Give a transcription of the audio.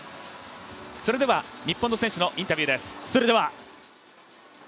それでは日本の選手のインタビューです。